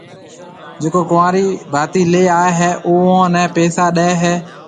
جڪو ڪنوارِي ڀاتِي ليائيَ ھيََََ اوئون نيَ پيسا ڏَي ھيََََ